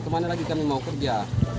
ke mana lagi kami mau kerja